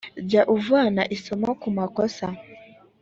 jya uvana isomo ku makosa